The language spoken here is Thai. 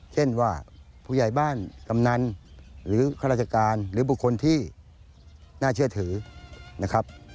เช่นว่าผู้ใหญ่บ้านกำนันหรือข้าราชการหรือบุคคลที่น่าเชื่อถือนะครับ